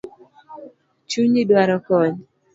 Chunyi dwaro kony